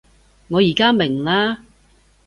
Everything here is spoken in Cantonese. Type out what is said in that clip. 我而家明喇